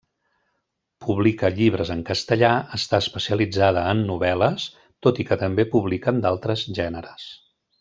Publica llibres en castellà, està especialitzada en novel·les, tot i que també publiquen d'altres gèneres.